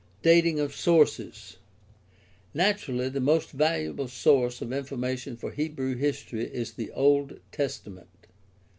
Dating of sources. — Naturally, the most valuable source of information for Hebrew history is the Old Testament.